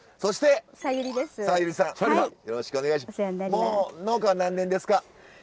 もう農家は何年ですか？